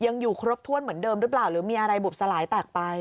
ยังอยู่ครบถ้วนเหมือนเดิมหรือเปล่าหรือมีอะไรบุบสลายแตกไป